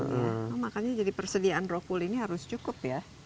oh makanya jadi persediaan rohkul ini harus cukup ya